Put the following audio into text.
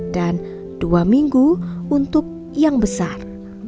dan dua minggu untuk yang besar